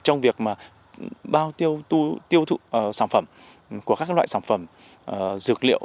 trong việc bao tiêu thụ sản phẩm của các loại sản phẩm dược liệu